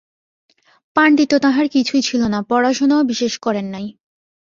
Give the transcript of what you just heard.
পাণ্ডিত্য তাঁহার কিছুই ছিল না, পড়াশুনাও বিশেষ করেন নাই।